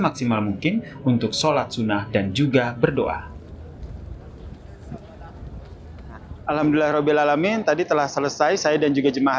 kami juga diberi jadwal